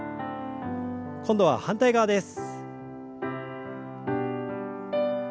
今度は反対側です。